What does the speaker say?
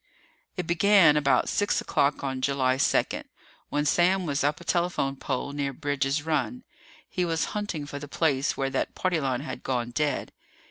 It began about six o'clock on July second, when Sam was up a telephone pole near Bridge's Run. He was hunting for the place where that party line had gone dead.